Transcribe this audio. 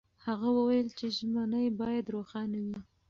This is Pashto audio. هغه وویل چې ژمنې باید روښانه وي.